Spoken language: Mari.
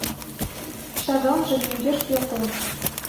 Шагалже мӧҥгеш пӧртылын...